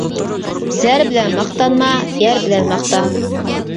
زەر بىلەن ماختانما، يەر بىلەن ماختان.